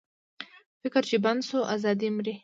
فکر چې بند شو، ازادي مري.